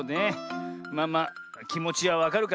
まあまあきもちはわかるからな。